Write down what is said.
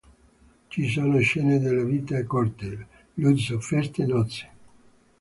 Ci sono scene della vita a corte: lusso, feste, nozze.